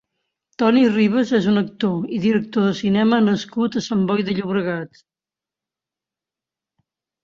Toni Ribas és un actor i director de cinema nascut a Sant Boi de Llobregat.